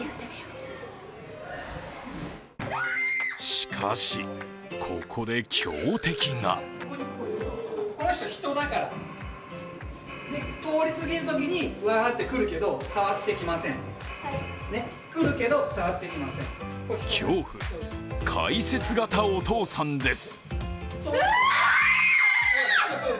しかし、ここで強敵が恐怖、解説型お父さんです。